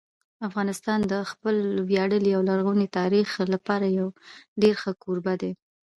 افغانستان د خپل ویاړلي او لرغوني تاریخ لپاره یو ډېر ښه کوربه دی.